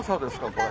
これ。